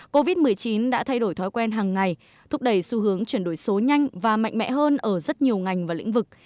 covid một mươi chín đã thay đổi thói quen hàng ngày thúc đẩy xu hướng chuyển đổi số nhanh và mạnh mẽ hơn ở rất nhiều ngành và lĩnh vực